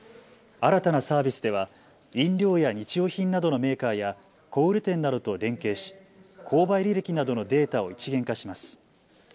新たなサービスでは飲料や日用品などのメーカーや小売店などと連携し購買履歴などのデータを一元化します。